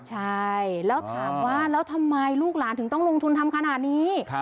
ใช่แล้วถามว่าแล้วทำไมลูกหลานถึงต้องลงทุนทำขนาดนี้